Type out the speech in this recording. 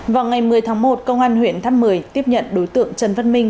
vào ngày một mươi tháng một công an huyện tháp mười tiếp nhận đối tượng trần văn minh